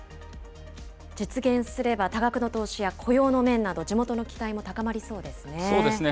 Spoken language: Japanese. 実現すれば、多額の投資や雇用の面など、地元の期待も高まりそうですね。